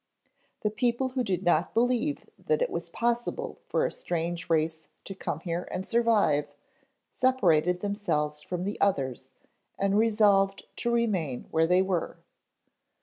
The people who did not believe that it was possible for a strange race to come here and survive, separated themselves from the others and resolved to remain where they were.